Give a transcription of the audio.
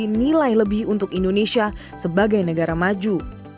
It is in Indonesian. dan memberi nilai lebih untuk indonesia sebagai negara maju